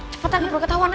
cepetan perlu ketahuan